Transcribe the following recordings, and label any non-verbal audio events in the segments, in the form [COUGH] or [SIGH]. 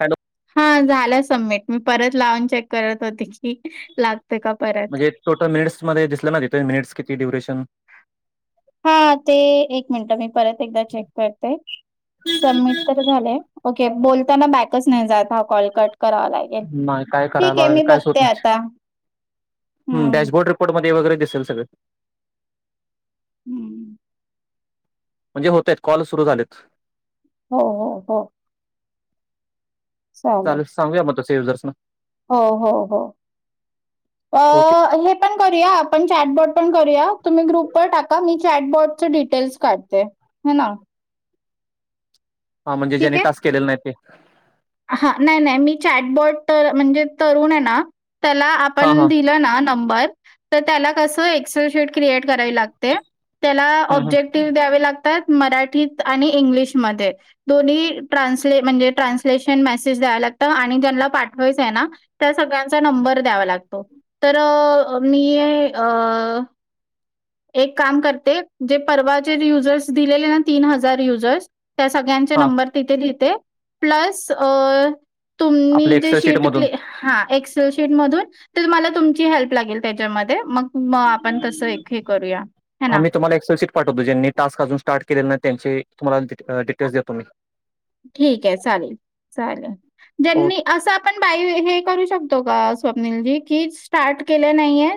Hello हा झाला submit मी परत लावून चेक करत होती. म्हणजे टोटल मिनिट्स मध्ये दिसलं ना त मिनिट्स किती ड्युरेशन. हा ते एक मिनट मी. परत एकदा चेक करते सबमिट तर झाले. ओके बोलताना बॅकच नाही जात हा कॉलकट करावा लागेल नाही काय ठीक आहे, मी बघते आता. हम् हं, डॅशबोर्ड रिपोर्टमध्ये वगैरे दिसेल सगळं. हम्म म्हणजे होतेच कॉल सुरू झालेत. हो हो हो. चालेल. चाल- सांगूया मग त यूजर्सना हो- हो- हो ओके अ हे पण करूया आपण चॅटबॉट पण करूया तुम्ही ग्रुपवर टाका मी चॅटबॉट चे डिटेल्स काढते हे ना. हा म्हणजे ज्यांनी टास्क केलेले नाही ते हा नाही -नाही मी चॅटबोट्र -तर म्हणजे तरुण आहे ना त्याला हा आपण हा दिलं ना नंबर तर त्याला कस एक्सेल शीट क्रिएट करावी लागते त्याला हं हं ऑब्जेक्टिव्ह द्यावे लागते त्यात मराठीत आणि इंग्लिश मध्ये दोन्ही ट्रान्सलेट- म्हणजे ट्रान्स स्पेशल मेसेज द्यावा लागतात आणि त्यांना पाठवावायचय ना त्या सगळ्यांचा नंबर द्यावा लागतो. तर अ.. मी अ... एक काम करते जे परवाचे युजर्स दिलेले ना तीन हजार युजर्स. त्या सगळ्यांचे हा नंबर तिथे लिहते प्लस अ तुम्ही आपल्या जे एक्सेल शीट मधून क्- हा एक्स एक्सल शिटमधून मला तुमची हेल्प लागेल त्याच्यामध्ये मग [INAUDIBLE] मग आपण तसं एक हे करूया, है आ ना? मी तुम्हाला एक्सलशीट पाठवतो ज्यांनी टास्क अजून स्टाट केलेला नाही त्यांचे तुम्हाला डिटेल्स देतो मी ठीक आहे चालेल -चालेल -ज्यांनी ओके असं आपण बा हे करू शकतो का? स्वप्नीलजी की स्टार्ट केले नाहीये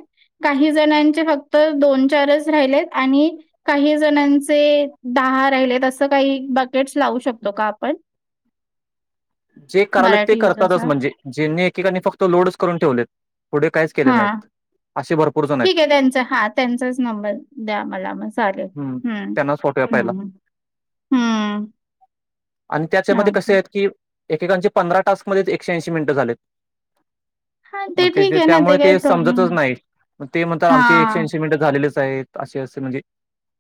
काही जणांचे फक्त दोन चारच राहिलेत आणि काही जणांचे द दहा राहिलेत असं काही बकेट्स लावू शकतो का आपण? जे करालेत ते मराठी करतातच युजर्सना? म्हणजे जेनी एकेकाणी फक्त लोडच करून ठेवलेत पुढे काहीच केले हां, नाहीत असे भरपूर जण ठीक आहेत आहे त्यांचा हा त्यांचाच नंबर द्या मला मग चालेल हं हम्म.. त्यांनाच पाठवूया पहिला. हम्म -हम्म-हम्म... आणि त्याच्यामध्ये कसे आहेत की एकेकांचे पंधरा टास्कमध्येच एकशे ऐंशी मिनिटं झालेत हां, मग ते ठीक ते-ते आहे ना त्यामुळे काही ते प्रॉब्लेम समजतच नाही मग ते म्हणतात आमचे एकशे हां. ऐंशी मिनटं झालेलीच सायत-असे -असे म्हणजे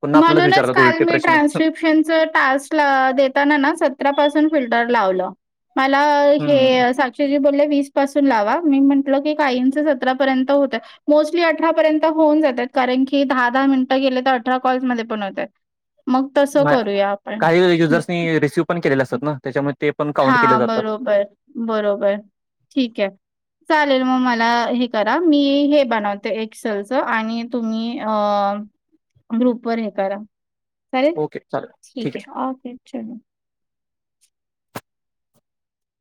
पुन्हा आपल्यालाच म्हणूनच विचारतात काल उलटे मी प्रश्न. ट्रान्स्क्रिप्शन टास्क- देताना सत तेव्हापासून फिल्टर लावलं मला हम्म. हे साक्षीजी बोले मी पासून लावा मी म्हंटल की कांहींच सतरापर्यंत होत मोस्टली अठरा पर्यंत होऊन जात कार आणखी दहा -दहा मिनिटं गेले तर अठरा कॉल मध्ये पण होतात. मग तसं नाही, करूया आपण. काही हं. युजर्सनी रिसीव्ह पण केलेले असतात ना त्याच्यामुळे ते पण हा काउंट केले जातात. बरोबर- बरोबर ठीक आहे चालेल मग मला हे करा मी हे बनवते एसेल्स आणि तुम्ही अ ग्रुप वर हे करा चालेल ठीक आहे ओके चलो